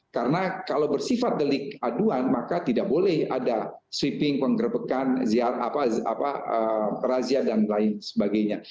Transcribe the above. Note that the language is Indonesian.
karena kalau bersifat delik aduan maka tidak boleh ada sweeping penggrepekan razia dan lain sebagainya